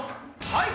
はい！